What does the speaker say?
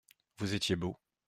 Vous étiez beaux.